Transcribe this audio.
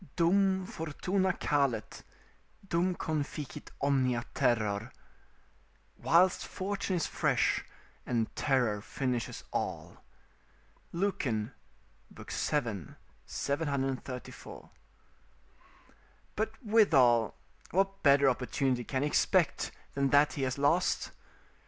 "Dum fortuna calet, dum conficit omnia terror." ["Whilst fortune is fresh, and terror finishes all." Lucan, vii. 734.] But withal, what better opportunity can he expect than that he has lost?